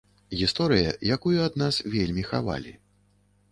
Гісторыя, якую ад нас вельмі хавалі.